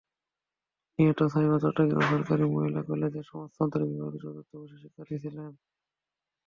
নিহত সায়মা চট্টগ্রাম সরকারি মহিলা কলেজের সমাজতত্ত্ব বিভাগের চতুর্থ বর্ষের শিক্ষার্থী ছিলেন।